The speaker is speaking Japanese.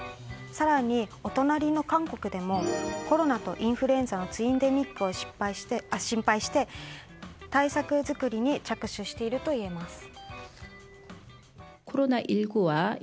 更にお隣の韓国でもコロナとインフルエンザのツインデミックを心配して対策作りに着手しているといえます。